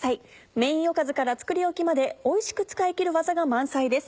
メインおかずから作り置きまでおいしく使い切る技が満載です。